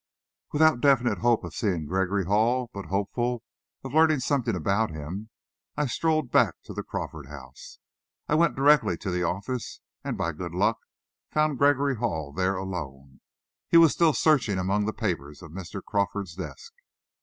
Without definite hope of seeing Gregory Hall, but hopeful of learning something about him, I strolled back to the Crawford house. I went directly to the office, and by good luck found Gregory Hall there alone. He was still searching among the papers of Mr. Crawford's desk.